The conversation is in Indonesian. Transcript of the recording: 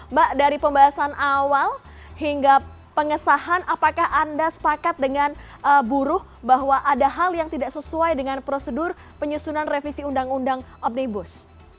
mbak dari pembahasan awal hingga pengesahan apakah anda sepakat dengan buruh bahwa ada hal yang tidak sesuai dengan prosedur penyusunan revisi undang undang omnibus